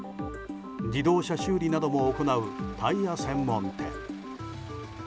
自動車修理なども行うタイヤ専門店。